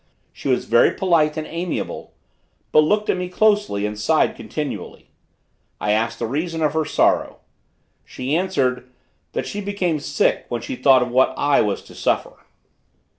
She was very polite and amiable; but looked at me closely, and sighed continually. I asked the reason of her sorrow. She answered, "that she became sick when she thought of what I was to suffer."